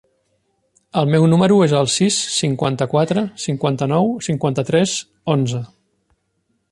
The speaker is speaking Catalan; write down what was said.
El meu número es el sis, cinquanta-quatre, cinquanta-nou, cinquanta-tres, onze.